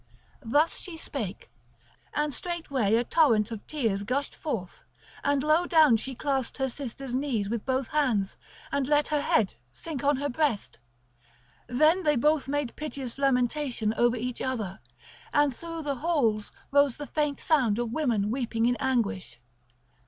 Thus she spake, and straightway a torrent of tears gushed forth and low down she clasped her sister's knees with both hands and let her head sink on to her breast. Then they both made piteous lamentation over each other, and through the halls rose the faint sound of women weeping in anguish.